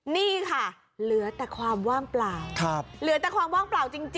นี่ค่ะเหลือแต่ความว่างเปล่า